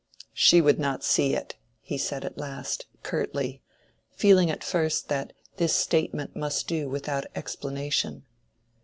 "She would not see it," he said at last, curtly, feeling at first that this statement must do without explanation.